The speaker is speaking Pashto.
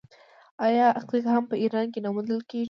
آیا عقیق هم په ایران کې نه موندل کیږي؟